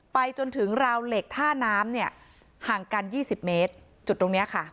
ไปจนถึงราวเหล็กท่าน้ำเนี่ยห่างกัน๒๐เมตรจุดตรงนี้ค่ะ